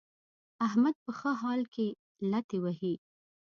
احمد په ښه حال کې لتې وهي.